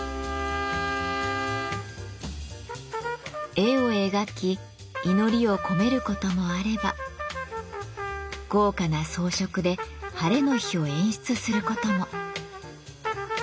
絵を描き祈りを込めることもあれば豪華な装飾でハレの日を演出することも。